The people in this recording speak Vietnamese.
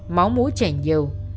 máu mũi chảy nhiều